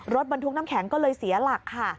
รถบรรทุกน้ำแข็งก็เลยเสียหลักค่ะ